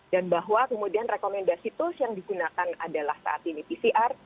dan bahwa kemudian rekomendasi tools yang digunakan adalah saat ini pcr